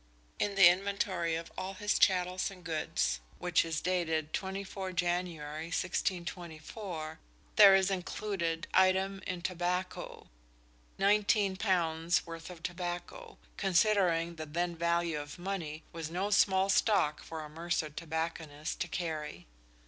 In the Inventory of all his "cattalles and goods" which is dated 24 January 1624, there is included "It. in Tobacco 19._li_ 0. 0." Nineteen pounds' worth of tobacco, considering the then value of money, was no small stock for a mercer tobacconist to carry.